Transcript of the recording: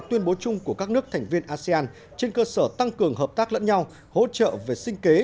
tuyên bố chung của các nước thành viên asean trên cơ sở tăng cường hợp tác lẫn nhau hỗ trợ về sinh kế